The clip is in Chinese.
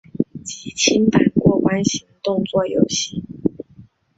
即清版过关型动作游戏。